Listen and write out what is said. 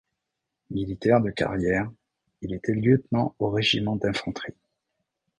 Militaire de carrière, il était lieutenant au Régiment d'infanterie.